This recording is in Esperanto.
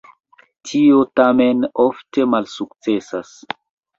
Tio tamen ofte malsukcesas.